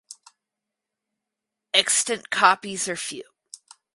Extant copies are few.